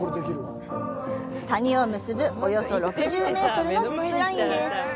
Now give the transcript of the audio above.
谷を結ぶおよそ６０メートルのジップラインです。